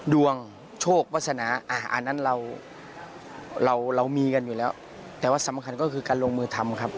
ดวงโชควาสนาอันนั้นเราเรามีกันอยู่แล้วแต่ว่าสำคัญก็คือการลงมือทำครับ